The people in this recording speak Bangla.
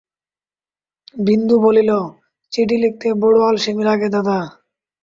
বিন্দু বলিল, চিঠি লিখতে বড় আলসেমি লাগে দাদা।